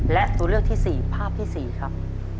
และตัวเลือกที่๔ภาพที่๔ครับ